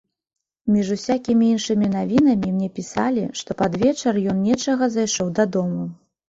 Між усякімі іншымі навінамі мне пісалі, што пад вечар ён нечага зайшоў дадому.